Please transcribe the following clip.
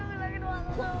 aduh sakit banget cik